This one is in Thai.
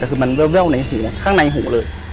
แต่คือมันแววในหูข้างในหูเลย